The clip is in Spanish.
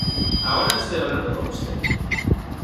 ahora estoy hablando con usted.